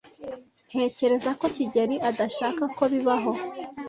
Ntekereza ko kigeli adashaka ko bibaho.